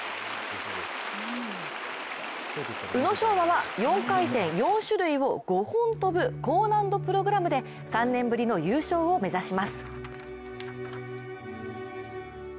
宇野昌磨は、４回転４種類を５本跳ぶ、高難度プログラムで３年ぶりの優勝を目指します。